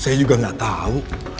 saya juga nggak tahu